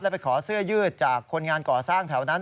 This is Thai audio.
ไปขอเสื้อยืดจากคนงานก่อสร้างแถวนั้น